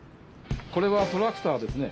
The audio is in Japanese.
これはトラクターですね。